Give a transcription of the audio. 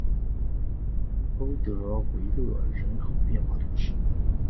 欧德维勒人口变化图示